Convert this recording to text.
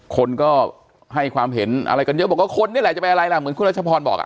คนก็ให้ความเห็นอะไรกันเยอะบอกว่าคนนี่แหละจะเป็นอะไรล่ะเหมือนคุณรัชพรบอกอ่ะ